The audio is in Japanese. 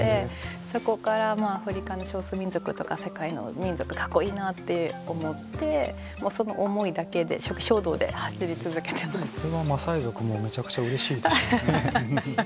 そこからアフリカの少数民族とか世界の民族かっこいいなって思ってもうその思いだけでそれはマサイ族もめちゃくちゃうれしいでしょうね。